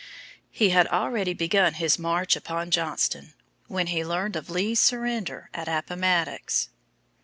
He had already begun his march upon Johnston when he learned of Lee's surrender at Appomattox.